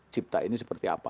cipta ini seperti apa